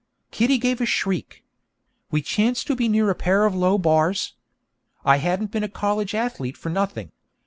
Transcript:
Kitty gave a shriek. We chanced to be near a pair of low bars. I hadn't been a college athlete for nothing.